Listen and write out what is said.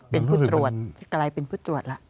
เป็นผู้ตรวจกลายเป็นผู้ตรวจแล้ว